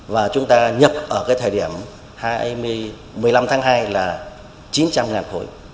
và chúng ta nhập ở cái thời điểm một mươi năm tháng hai là chín trăm linh khối